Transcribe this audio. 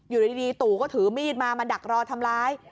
อยู่ดีตู่ก็ถือมีดมามาดักรอทำร้าย